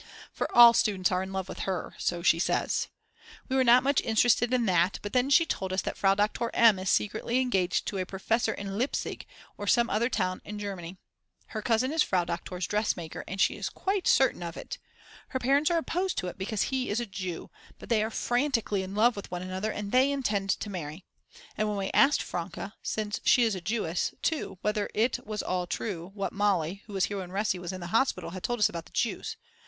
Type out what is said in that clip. For all students are in love with her, so she says. We were not much interested in that, but then she told us that Frau Doktor M. is secretly engaged to a professor in Leipzig or some other town in Germany. Her cousin is Frau Doktor's dressmaker, and she is quite certain of it. Her parents are opposed to it because he is a Jew but they are frantically in love with one another and they intend to marry. And then we asked Franke, since she is a Jewess too whether it was all true what Mali, who was here when Resi was in hospital, had told us about the Jews.